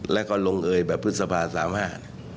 แล้วก็ลงเอยแบบพฤษภาสามห้า